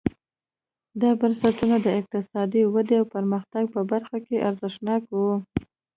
دا بنسټونه د اقتصادي ودې او پرمختګ په برخه کې ارزښتناک وو.